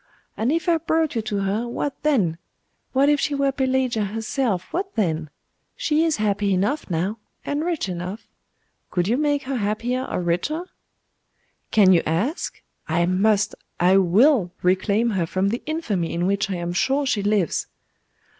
And if I brought you to her, what then! What if she were Pelagia herself, what then? She is happy enough now, and rich enough. Could you make her happier or richer?' 'Can you ask? I must I will reclaim her from the infamy in which I am sure she lives.